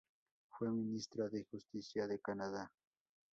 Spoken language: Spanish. Fue Ministra de Justicia de Canadá.